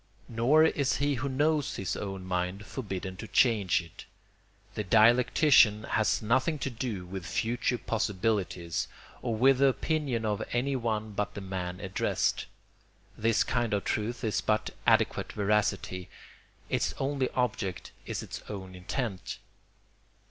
Nor is he who knows his own mind forbidden to change it; the dialectician has nothing to do with future possibilities or with the opinion of anyone but the man addressed. This kind of truth is but adequate veracity; its only object is its own intent.